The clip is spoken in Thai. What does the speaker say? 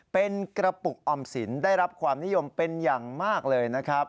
เป็นกระปุกออมสินได้รับความนิยมเป็นอย่างมากเลยนะครับ